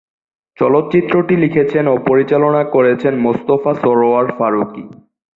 চলচ্চিত্রটি লিখেছেন ও পরিচালনা করেছেন মোস্তফা সরয়ার ফারুকী।